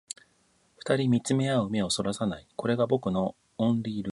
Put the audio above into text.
二人見つめ合う目を逸らさない、それが僕のオンリールール